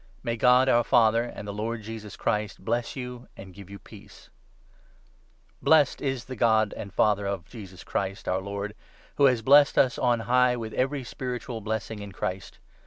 May God, our Father, and the Lord Jesus Christ bless you and 2 give you peace. The Apostle's Blessed is the God and Father of Jesus Christ, 3 Ascription of our Lord, who has blessed us on high with every Praise. spiritual blessing, in Christ.